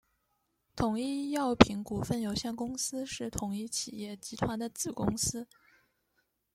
统一药品股份有限公司是统一企业集团的子公司。